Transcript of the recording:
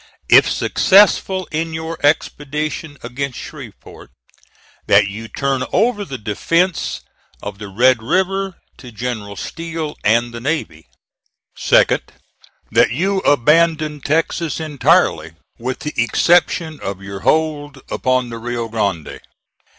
If successful in your expedition against Shreveport, that you turn over the defence of the Red River to General Steele and the navy. "2d. That you abandon Texas entirely, with the exception of your hold upon the Rio Grande.